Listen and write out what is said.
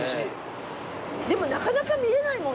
でもなかなか見れないもんねきっと。